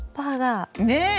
ねえ！